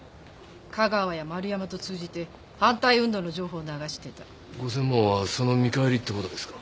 香川や丸山と通じて反対運動の情報を流してた５０００万はその見返りってことですか？